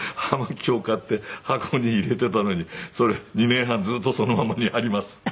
葉巻を買って箱に入れてたのにそれ２年半ずっとそのままにあります。